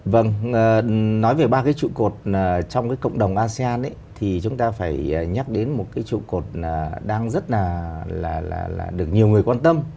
vâng nói về ba cái trụ cột trong cái cộng đồng asean thì chúng ta phải nhắc đến một cái trụ cột đang rất là được nhiều người quan tâm